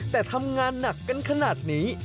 แต่ทำงานหนักกันขนาดนี้